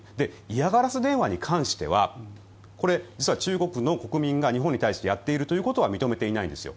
嫌がらせ電話に関してはこれは実は中国の国民が日本に対してやっているということは認めていないんですよ。